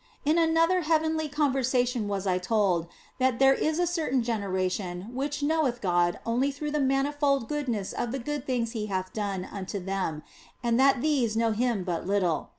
OF FOLIGNO 251 In another heavenly conversation was I told that there is a certain generation which knoweth God only through the manifold goodness of the good things He hath done unto them, and that these know Him but little.